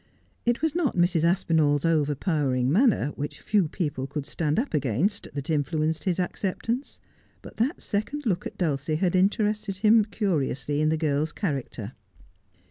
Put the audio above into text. It was Q 226 Just as I Am. not Mrs. Aspinall's overpowering manner, which few pe^nle could stand up against, that influenced his acceptance ; but that second look at Dulcie had interested him curiously in the girl's character.